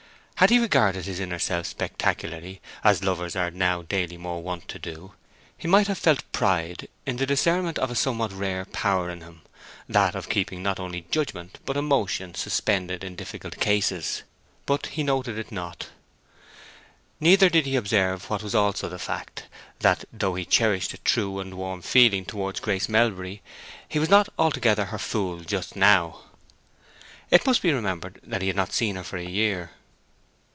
Had he regarded his inner self spectacularly, as lovers are now daily more wont to do, he might have felt pride in the discernment of a somewhat rare power in him—that of keeping not only judgment but emotion suspended in difficult cases. But he noted it not. Neither did he observe what was also the fact, that though he cherished a true and warm feeling towards Grace Melbury, he was not altogether her fool just now. It must be remembered that he had not seen her for a year.